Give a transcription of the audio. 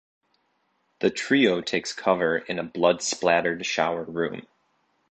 The trio takes cover in a blood-splattered shower room.